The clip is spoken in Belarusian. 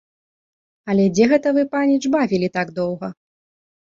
Але дзе гэта вы, паніч, бавілі так доўга?